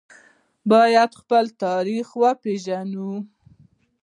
باید خپل تاریخ وپیژنو